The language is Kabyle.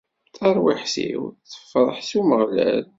Tarwiḥt-iw tefreḥ s Umeɣlal.